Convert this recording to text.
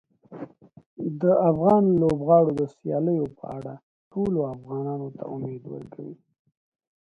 د افغان لوبغاړو د سیالیو په اړه ټولو افغانانو ته امید ورکوي.